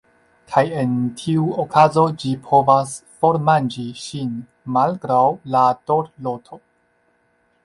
Kaj en tiu okazo ĝi povas formanĝi ŝin, malgraŭ la dorloto.